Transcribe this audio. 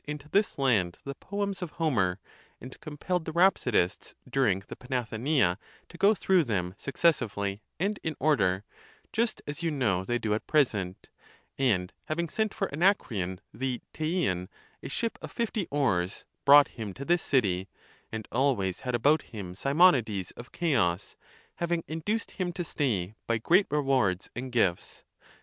into this land the poems of Homer, and compelled the rhapsodists during the Panathenea to go through them suc cessively* and in order, just as you know they do at present ; and having sent for Anacreon, the Teian, a ship of fifty oars, brought him to this city, and always had about him Simonides of Ceos, having induced him (to stay) by great rewards and gifts.